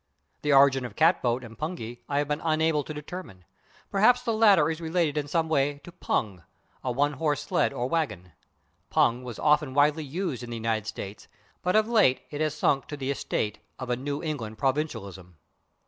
The origin of /cat boat/ and /pungy/ I have been unable to determine. Perhaps the latter is related in some way to /pung/, a one horse sled or wagon. /Pung/ was once widely used in the United States, but of late it has sunk to the estate of a New England provincialism.